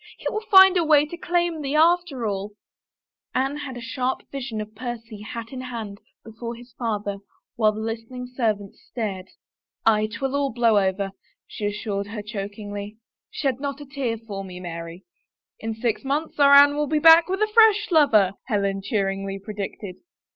He will find a way tq claim thee after all." 27 THE FAVOR OF KINGS Anne had a sharp vision of Percy, hat in hand, before his father, while the listening servants stared. " Aye, 'twill all blow over," she assured her chokingly. " Shed not a tear for me, Mary." " In six months our Anne will be back with a fresh lover," Helen cheeringly predicted.